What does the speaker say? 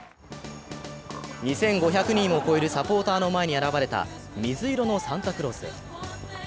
２５００人を超えるサポーターの前に現れた水色のサンタクロース。